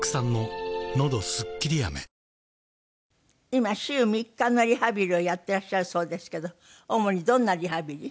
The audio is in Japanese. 今週３日のリハビリをやってらっしゃるそうですけど主にどんなリハビリ？